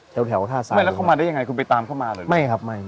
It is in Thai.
แถวแถวท่าซ้ายไม่แล้วเข้ามาได้ยังไงคุณไปตามเข้ามาเลยไม่ครับไม่